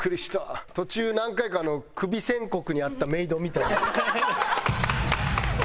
途中何回かクビ宣告にあったメイドみたいな。